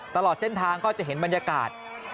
ตลอดเส้นทางก็จะเห็นบรรยากาศ